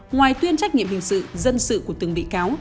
ngoài tuyên trách nhiệm hình sự dân sự của từng bị cáo